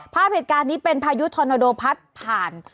ภาพเหตุการณ์นี้เป็นพายุทอนาโดพัดผ่าน